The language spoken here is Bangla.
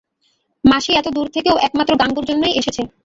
মাসি এতো দূর থেকে ও একমাত্র গাঙুর জন্যই এসেছে।